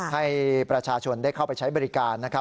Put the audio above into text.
ให้ประชาชนได้เข้าไปใช้บริการนะครับ